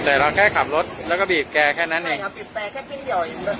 แต่เราแค่ขับรถแล้วก็บีบแกแค่นั้นเองใช่ครับบีบแปลงแค่ปิ้งเดียวอีก